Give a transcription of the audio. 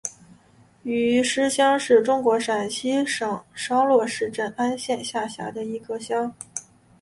余师乡是中国陕西省商洛市镇安县下辖的一个乡。